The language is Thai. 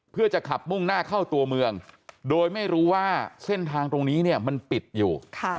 เพื่อจะขับมุ่งหน้าเข้าตัวเมืองโดยไม่รู้ว่าเส้นทางตรงนี้เนี่ยมันปิดอยู่